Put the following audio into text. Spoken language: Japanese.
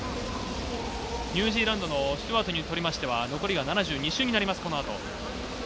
ニュージーランドのスチュワートにとりましては、残りが７２周になります、このあと。